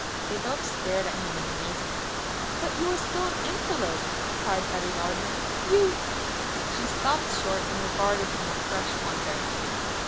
They both stared at him in amazement. "But you are still an invalid," cried Betty Lardner. "You " She stopped short and regarded him with fresh wonder.